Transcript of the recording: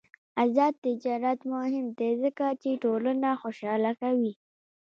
آزاد تجارت مهم دی ځکه چې ټولنه خوشحاله کوي.